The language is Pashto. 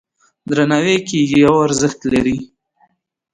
درناوی یې کیږي او ارزښت لري.